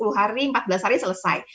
sepuluh hari empat belas hari selesai